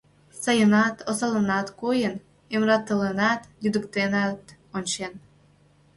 Сайынат, осалынат койын, эмратылынат, лӱдыктенат ончен.